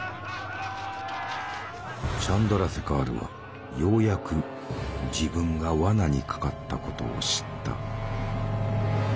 チャンドラセカールはようやく自分が罠にかかったことを知った。